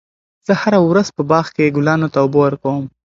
زه هره ورځ په باغ کې ګلانو ته اوبه ورکوم.